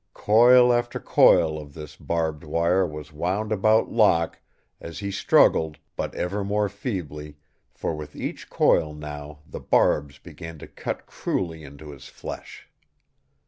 Coil after coil of this barbed wire was wound about Locke as he struggled, but ever more feebly, for with each coil now the barbs began to cut cruelly into his flesh.